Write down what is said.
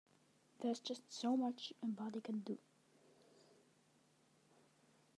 There's just so much a body can do.